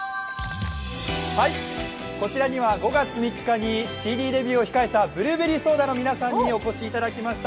こちらには５月３日にＣＤデビューをひかえたブルーベリーソーダの皆さんにお越しいただきました。